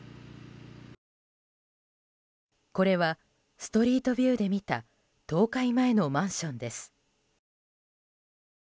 これはストリートビューで見た倒壊前のマンションです。